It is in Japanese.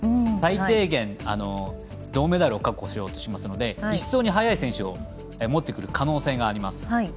最低限、銅メダルを確保しようとしていますので１走に速い選手を持ってくる可能性があります。